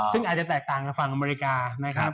ซึ่งอาจจะแตกต่างกับฝั่งอเมริกานะครับ